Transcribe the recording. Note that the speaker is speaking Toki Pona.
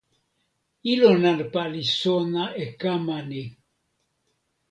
ilo nanpa li sona e kama ni.